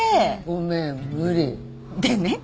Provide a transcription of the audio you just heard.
「ごめん無理」でね